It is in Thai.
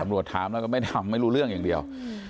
ตำรวจถามแล้วก็ไม่ทำไม่รู้เรื่องอย่างเดียว